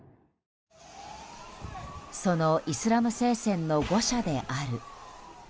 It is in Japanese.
そのイスラム聖戦の誤射である。